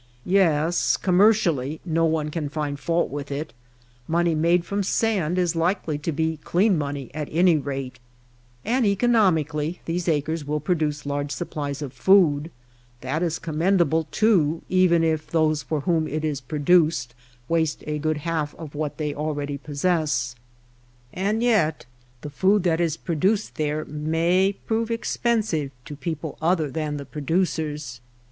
Yes ; commercially no one can find fault with it. Money made from sand is likely to be clean Changing the deatrt. Irrigation in the basin. 58 THE DESERT Changing the climate. Dry air. money, at any rate. And economically these acres will produce large supplies of food. That is commendable, too, even if those for whom it is produced waste a good half of what they already possess. And yet the food that is pro duced there may prove expensive to people other than the producers.